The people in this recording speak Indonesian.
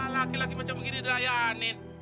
laki laki macam begini dirayaanin